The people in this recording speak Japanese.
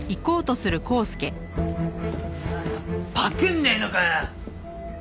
なあパクんねえのかよ！